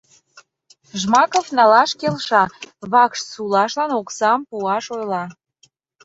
Жмаков налаш келша, вакш сулашлан оксам пуаш ойла...